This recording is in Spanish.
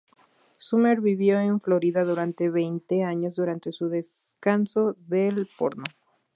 Summer vivió en Florida durante veinte años durante su descanso del porno.